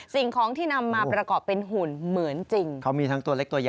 สิ่งค้องที่นำมาประกอบเป็นหุ่นเหมือนจริง